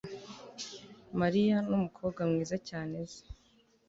Mariya numukobwa mwiza cyane nzi